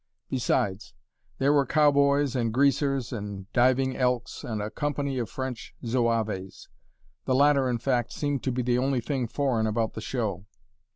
Besides, there were cowboys and "greasers" and diving elks, and a company of French Zouaves; the latter, in fact, seemed to be the only thing foreign about the show.